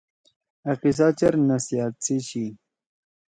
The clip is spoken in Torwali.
أ قصہ چیر نصیحت سی چھی۔